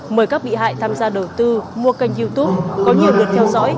mời các bị hại tham gia đầu tư mua kênh youtube có nhiều lượt theo dõi